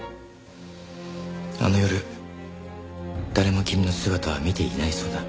あの夜誰も君の姿は見ていないそうだ。